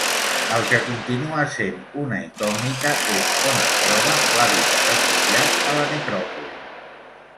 El que continua sent una incògnita és on es troba l’hàbitat associat a la necròpoli.